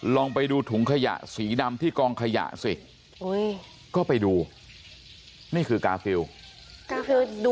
ลองไปดูถุงขยะสีดำที่กองขยะสิก็ไปดูนี่คือกาฟิล